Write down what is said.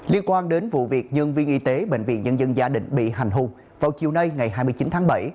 liên quan đến vụ việc nhân viên y tế bệnh viện nhân dân gia định bị hành hung vào chiều nay ngày hai mươi chín tháng bảy